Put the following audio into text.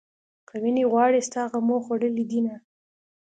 که وينې غواړې ستا غمو خوړلې دينه